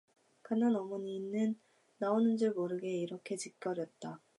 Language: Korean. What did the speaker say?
간난 어머니는 나오는 줄 모르게 이렇게 지껄였다.